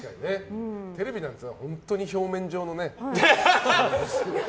テレビなんて表面上のね。